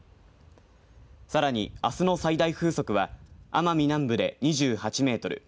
さらにあすの最大風速は奄美南部で２８メートル